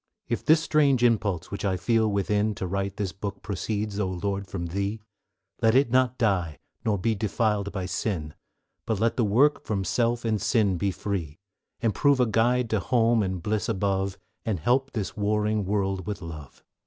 If this strange impulse which I feel within To write this book proceeds, O Lord, from Thee, Let it not die, nor be defiled by sin, But let the work from self and sin be free, And prove a guide to home and bliss above, And help to fill this warring world with love.